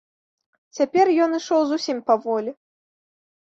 Цяпер ён ішоў зусім паволі.